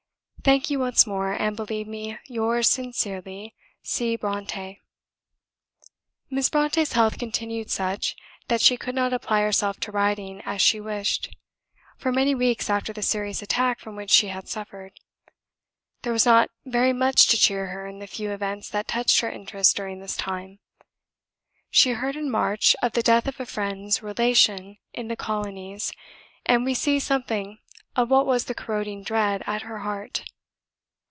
Thank you once more; and believe me yours sincerely, C. BRONTË." Miss Brontë's health continued such, that she could not apply herself to writing as she wished, for many weeks after the serious attack from which she had suffered. There was not very much to cheer her in the few events that touched her interests during this time. She heard in March of the death of a friend's relation in the Colonies; and we see something of what was the corroding dread at her heart.